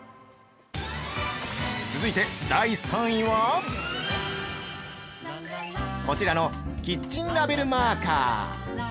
続いて、第３位はこちらのキッチンラベルマーカー。